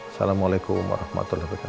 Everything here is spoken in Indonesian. assalamualaikum warahmatullahi wabarakatuh